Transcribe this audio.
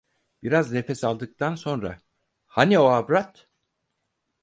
Biraz nefes aldıktan sonra: "Hani o avrat…"